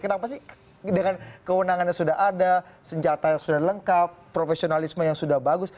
kenapa sih dengan kewenangannya sudah ada senjata sudah lengkap profesionalisme yang sudah bagus